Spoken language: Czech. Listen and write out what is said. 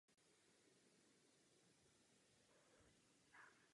Zasvěcení Nejsvětější Trojici možná souvisí právě s tureckou hrozbou.